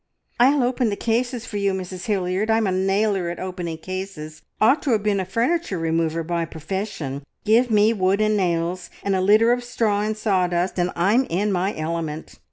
"I'll open the cases for you, Mrs Hilliard. I'm a nailer at opening cases; ought to have been a furniture remover by profession. Give me wood and nails, and a litter of straw and sawdust, and I'm in my element.